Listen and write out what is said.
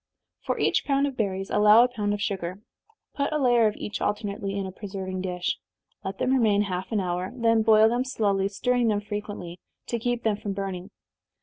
_ For each pound of berries, allow a pound of sugar. Put a layer of each alternately in a preserving dish. Let them remain half an hour then boil them slowly, stirring them frequently, to keep them from burning.